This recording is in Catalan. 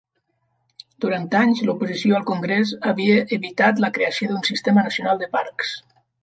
Durant anys, l'oposició al Congrés havia evitat la creació d'un sistema nacional de parcs.